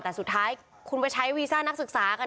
แต่สุดท้ายคุณไปใช้วีซ่านักศึกษากัน